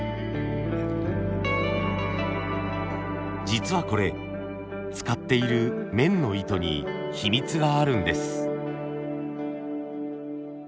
実はこれ使っている綿の糸に秘密があるんです。